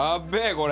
これ。